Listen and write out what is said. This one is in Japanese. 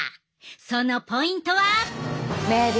そのポイントは！